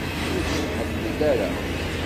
Ur tt-tḥemmel ara?